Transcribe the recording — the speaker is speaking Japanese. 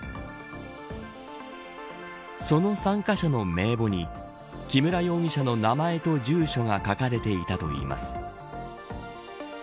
その参加者の名簿に木村容疑者の名前と住所が書かれていたといいます。